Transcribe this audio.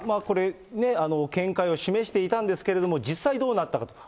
これ、見解を示していたんですけれども、実際どうなったか。